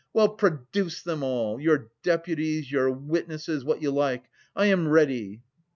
Well, produce them all: your deputies, your witnesses, what you like!... I am ready!"